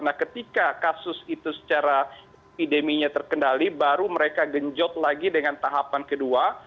nah ketika kasus itu secara epideminya terkendali baru mereka genjot lagi dengan tahapan kedua